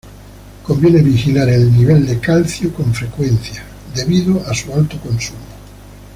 Conviene vigilar el nivel de calcio con frecuencia, debido a su alto consumo.